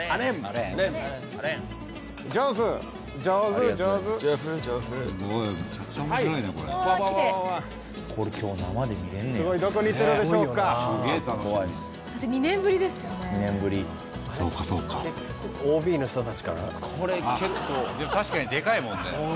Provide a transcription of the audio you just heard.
あぁでも確かにでかいもんね。